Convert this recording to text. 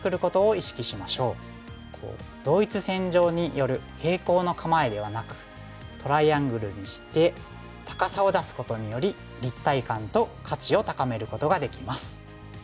同一線上による平行の構えではなくトライアングルにして高さを出すことにより立体感と価値を高めることができます。